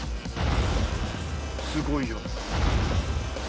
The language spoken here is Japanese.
すごいよ。